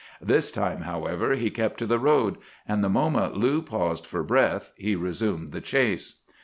This time, however, he kept to the road, and the moment Lou paused for breath he resumed the chase.